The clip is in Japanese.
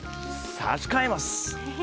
差し替えます！